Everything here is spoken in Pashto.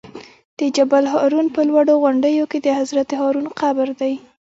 د جبل الهارون په لوړو غونډیو کې د حضرت هارون قبر دی.